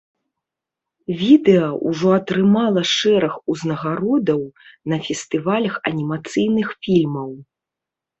Відэа ўжо атрымала шэраг узнагародаў на фестывалях анімацыйных фільмаў.